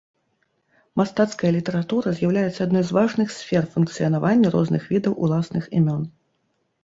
Мастацкая літаратура з'яўляецца адной з важных сфер функцыянавання розных відаў уласных імён.